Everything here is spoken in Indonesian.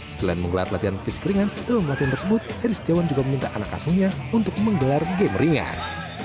setelah mengelar latihan fitz keringan dalam latihan tersebut heri setiawan juga meminta anak asumnya untuk mengelar game ringan